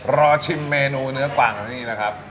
รอชิมเมนูเนื้อกวางกันที่นี่นะครับ